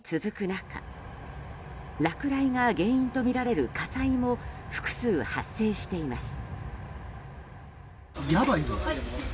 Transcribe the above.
中落雷が原因とみられる火災も複数、発生しています。